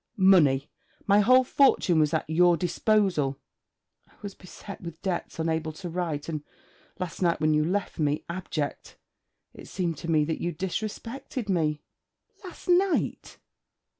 'Money! My whole fortune was at your, disposal.' 'I was beset with debts, unable to write, and, last night when you left me, abject. It seemed to me that you disrespected me...' 'Last night!'